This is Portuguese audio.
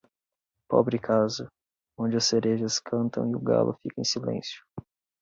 Pobre casa, onde as cerejas cantam e o galo fica em silêncio.